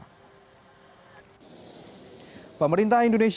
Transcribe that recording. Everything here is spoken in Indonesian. pemerintah indonesia dan swedia menerima kunjungan kenegaraan raja karl gustav xvi